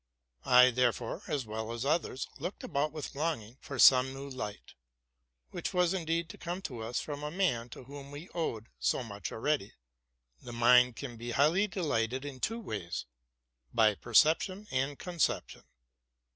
1 therefore, as well as others, looked about with longing for some new light, which was indeed to come to us from a man to whom we owed so much already. The mind can be highly delighted in two ways, — by per ception and conception.